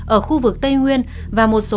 ở khu vực tây nguyên và một vụ xe máy ô tô ở hà nội